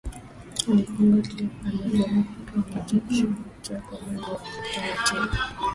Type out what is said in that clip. Alifungua kioo upande wa dereva akawa anakatisha mitaa kwa mwendo wa taratibu